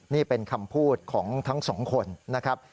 นี่เป็นคำพูดของทั้งสองคนนะครับ